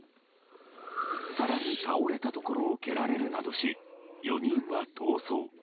更に倒れたところを蹴られるなどし４人は逃走。